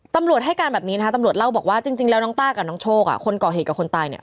ตำรวจให้การแบบนี้นะคะตำรวจเล่าบอกว่าจริงแล้วน้องต้ากับน้องโชคอ่ะคนก่อเหตุกับคนตายเนี่ย